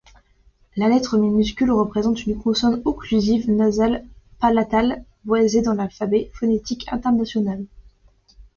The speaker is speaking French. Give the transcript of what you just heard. La lettre minuscule représente une consonne occlusive nasale palatale voisée dans l'alphabet phonétique international.